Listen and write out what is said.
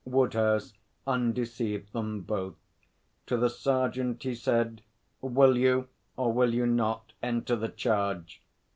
Woodhouse undeceived them both. To the sergeant he said, 'Will you or will you not enter the charge?'